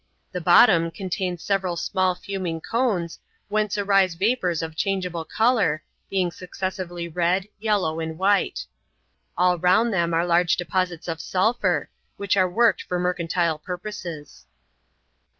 The bottom contains several small fuming cones, whence arise vapors of changeable color, being successively red, yellow and white. All round them are large deposits of sulphur, which are worked for mercantile purposes.